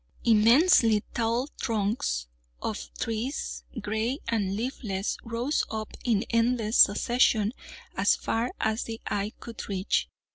Immensely tall trunks of trees, gray and leafless, rose up in endless succession as far as the eye could reach.